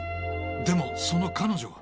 でもその彼女は。